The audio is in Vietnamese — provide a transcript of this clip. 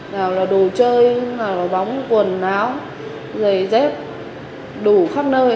nào là đồ chơi nào là bóng quần áo giày dép đủ khắp nơi